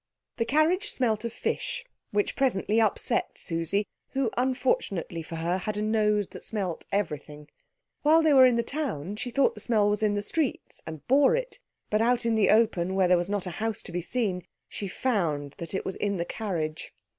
The carriage smelt of fish, which presently upset Susie, who, unfortunately for her, had a nose that smelt everything. While they were in the town she thought the smell was in the streets, and bore it; but out in the open, where there was not a house to be seen, she found that it was in the carriage.